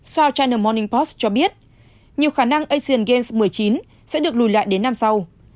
south chaner moning post cho biết nhiều khả năng asian games một mươi chín sẽ được lùi lại đến năm sau